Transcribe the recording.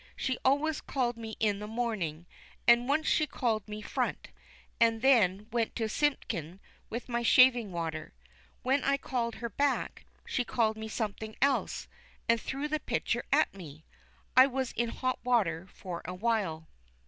She always called me in the morning, and once she called me "front," and then went to Simpkin with my shaving water. When I called her back, she called me something else, and threw the pitcher at me. I was in hot water for a while.